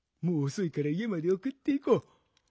もうおそいからいえまでおくっていこう。